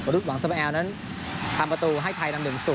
รุดหวังสมแอลนั้นทำประตูให้ไทยนำ๑๐